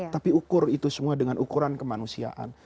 tapi ukur itu semua dengan ukuran kemanusiaan